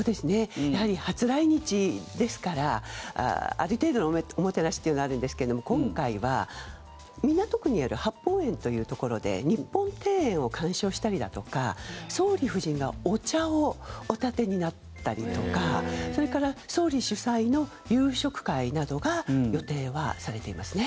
やはり初来日ですからある程度のおもてなしというのがあるんですけども今回は港区にある八芳園というところで日本庭園を鑑賞したりだとか総理夫人がお茶をおたてになったりとかそれから総理主催の夕食会などが予定はされていますね。